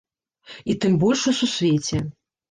І тым больш у сусвеце.